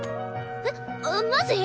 えっマジ！？